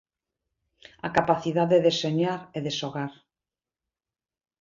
A capacidade de soñar e de xogar.